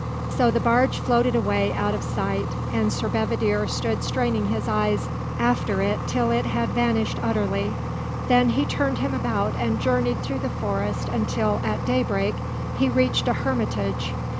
So the barge floated away out of sight, and Sir Bedivere stood straining his eyes after it till it had vanished utterly. Then he turned him about and journeyed through the forest until, at daybreak, he reached a hermitage.